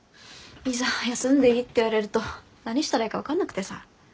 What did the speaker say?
いざ休んでいいって言われると何したらいいか分かんなくてさ。